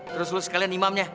terus lo sekalian imamnya